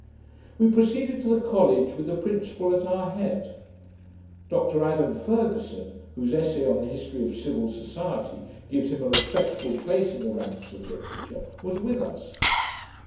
We proceeded to the College, with the Principal at our head. Dr Adam Fergusson, whose Essay on the History of Civil Society gives him a respectable place in the ranks of literature, was with us.